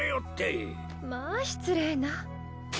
まあ失礼な。